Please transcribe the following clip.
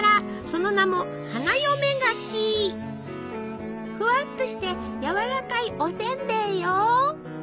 その名もふわっとしてやわらかいおせんべいよ。